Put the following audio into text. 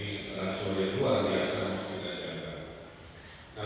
ini adalah soal yang luar biasa muslimnya